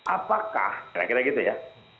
apakah kira kira gitu ya